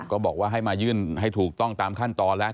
ก็บอกว่าให้มายื่นให้ถูกต้องตามขั้นตอนแล้ว